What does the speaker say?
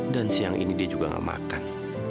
dan siang ini dia juga gak makan